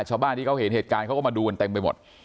ชาวบ้านที่เขาเห็นเหตุการณ์เขาก็มาดูกันเต็มไปหมด